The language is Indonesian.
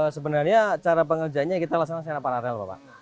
sebenarnya cara pengerjanya kita laksanakan secara pararel pak